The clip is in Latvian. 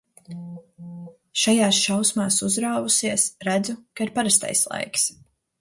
Šajās šausmās uzrāvusies, redzu, ka ir parastais laiks.